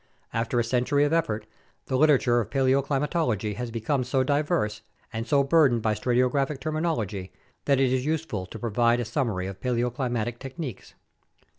After a century of effort, the literature of paleoclimatology has become so diverse, and so burdened by stratigraphic terminology, that it is useful to provide a summary of paleoclimatic techniques.